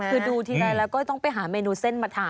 คือดูทีไรแล้วก็ต้องไปหาเมนูเส้นมาทาน